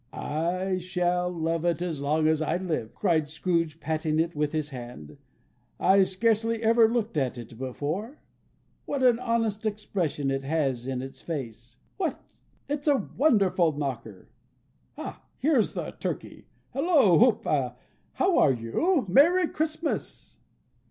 "I shall love it as long as I live!" cried Scrooge, patting it with his hand. "I scarcely ever looked at it before. What an honest expression it has in its face! It's a wonderful knocker! Here's the turkey. Hallo! Whoop! How are you? Merry Christmas!"